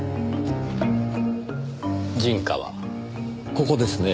ここですねぇ。